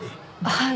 はい。